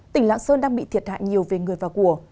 tỉnh lạng sơn đang bị thiệt hại nhiều về người và của